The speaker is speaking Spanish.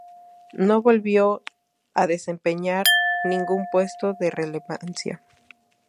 No volvió a desempeñar ningún puesto de relevancia.